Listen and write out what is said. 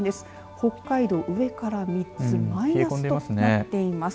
北海道、上から３つマイナスとなっています。